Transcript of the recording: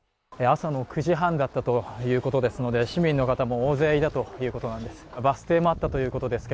朝の９時半だったということですので、市民の方も大勢いたということなんです。